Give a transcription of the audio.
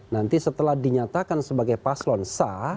nanti setelah dinyatakan sebagai paslon sah